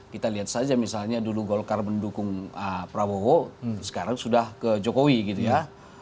kita lihat saja misalnya dulu golkar mendukung prabowo sekarang sudah ke jokowi gitu ya